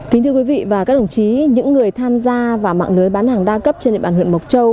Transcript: kính thưa quý vị và các đồng chí những người tham gia vào mạng lưới bán hàng đa cấp trên địa bàn huyện mộc châu